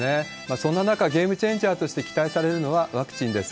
そんな中、ゲームチェンジャーとして期待されるのは、ワクチンです。